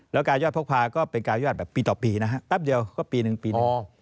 แล้วการยอดพกพาก็เป็นการยอดแบบปีต่อปีนะฮะแป๊บเดียวก็ปีหนึ่งปีหนึ่ง